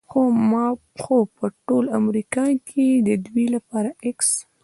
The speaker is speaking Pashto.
خو په ټول امریکا کې د دوی لپاره x